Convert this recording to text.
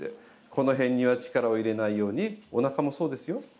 この辺には力を入れないようにおなかもそうですよ。